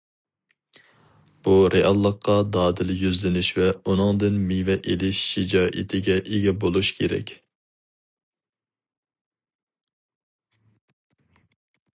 بۇ رېئاللىققا دادىل يۈزلىنىش ۋە ئۇنىڭدىن مېۋە ئېلىش شىجائىتىگە ئىگە بولۇش كېرەك.